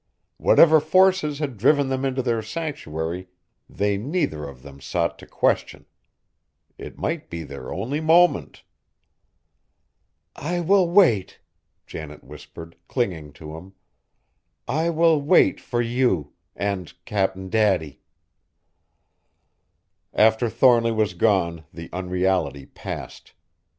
Whatever forces had driven them into this sanctuary they neither of them sought to question. It might be their only moment. "I will wait," Janet whispered, clinging to him, "I will wait for you and Cap'n Daddy!" After Thornly was gone the unreality passed.